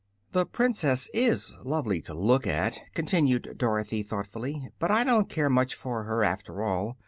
"The Princess is lovely to look at," continued Dorothy, thoughtfully; "but I don't care much for her, after all.